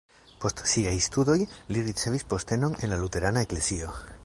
Post siaj studoj li ricevis postenon en la luterana eklezio.